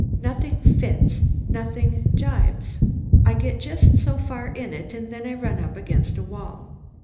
Nothing fits; nothing jibes. I get just so far in it and then I run up against a wall.